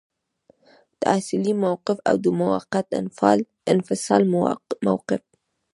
تحصیلي موقف او د موقت انفصال موقف.